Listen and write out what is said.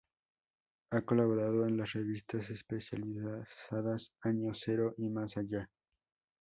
Ha colaborado en las revistas especializadas Año Cero y Más Allá.